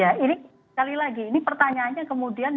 ya ini sekali lagi ini pertanyaannya kemudian